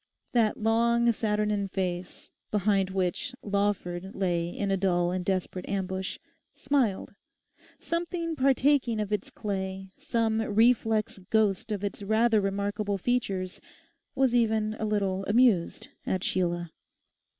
That long saturnine face, behind which Lawford lay in a dull and desperate ambush, smiled. Something partaking of its clay, some reflex ghost of its rather remarkable features, was even a little amused at Sheila.